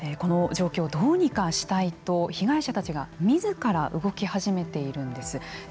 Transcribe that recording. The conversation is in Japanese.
この状況をどうにかしたいと被害者たちがみずから動き始めているんです。